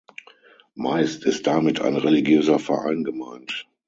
Meist ist damit ein religiöser Verein gemeint.